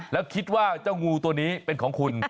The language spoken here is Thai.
แล้วคิดว่าเจ้างูตัวนี้เป็นของคุณ